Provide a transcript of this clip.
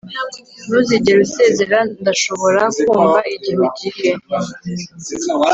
ntuzigere usezera, ndashobora kumva igihe ugiye